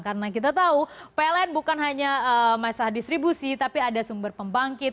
karena kita tahu pln bukan hanya masalah distribusi tapi ada sumber pembangkit